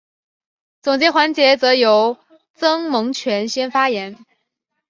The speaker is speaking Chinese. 总结环节则由曾荫权先发言。